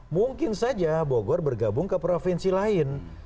mungkin saja bogor bergabung ke provinsi lain